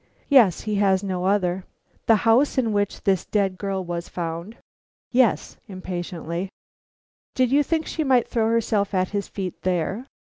"Yes, he has no other." "The house in which this dead girl was found?" "Yes," impatiently. "Did you think she might throw herself at his feet there?"